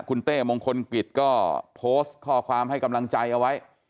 คุณเต้มงคลกิจก็โพสต์ข้อความให้กำลังใจเอาไว้